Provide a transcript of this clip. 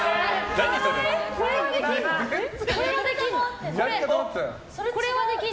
何それ？